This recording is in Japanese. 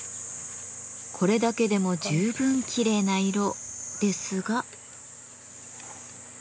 これだけでも十分きれいな色ですが。